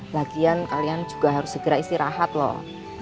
lagian kalian juga harus segera istirahat loh